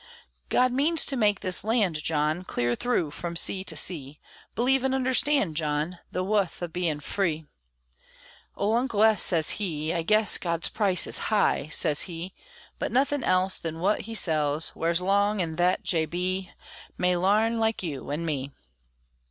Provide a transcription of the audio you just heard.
God means to make this land, John, Clear thru, from sea to sea, Believe an' understand, John, The wuth o' bein' free. Ole Uncle S. sez he, "I guess God's price is high," sez he; "But nothin' else than wut he sells Wears long, an' thet J. B. May larn, like you an' me!"